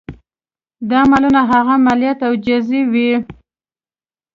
دا مالونه هغه مالیات او جزیې وې.